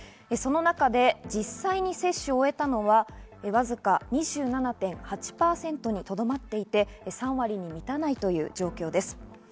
その中で実際に接種を終えたのはわずか２７．８％にとどまっていて、３割に満たない状況です。